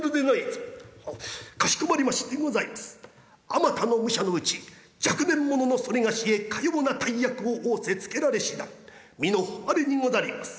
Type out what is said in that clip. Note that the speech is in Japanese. あまたの武者のうち若年者のそれがしへかような大役を仰せつけられしは身の誉れにござります。